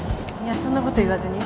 そんなこと言わずに。